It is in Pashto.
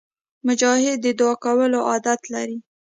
مجاهد د دعا کولو عادت لري.